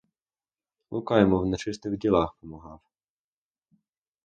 Лука йому в нечистих ділах помагав.